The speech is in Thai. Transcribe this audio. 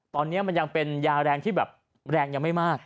ตอนนี้มันยังเป็นยาแรงที่แบบแรงยังไม่มาก